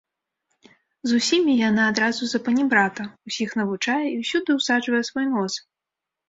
З усімі яна адразу запанібрата, усіх навучае і ўсюды ўсаджвае свой нос.